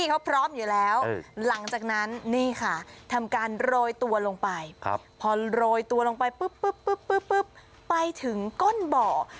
อุปกรณ์พร้อม